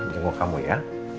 tunggu kamu ya